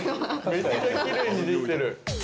◆めっちゃきれいにできてる。